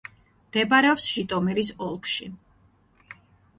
მდებარეობს ჟიტომირის ოლქში.